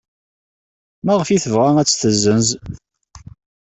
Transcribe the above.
Maɣef ay tebɣa ad tt-tessenz?